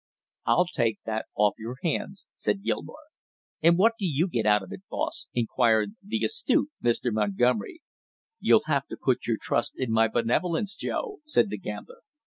"I'll take that off your hands," said Gilmore. "And what do you get out of it, boss?" inquired the astute Mr. Montgomery. "You'll have to put your trust in my benevolence, Joe!" said the gambler.